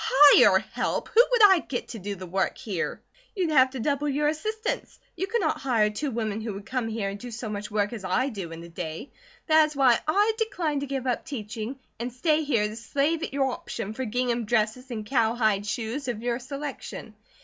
"Hire help! Who would I get to do the work here?" "You'd have to double your assistants. You could not hire two women who would come here and do so much work as I do in a day. That is why I decline to give up teaching, and stay here to slave at your option, for gingham dresses and cowhide shoes, of your selection.